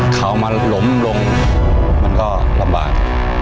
เขามาล้มลงมันก็ลำบาก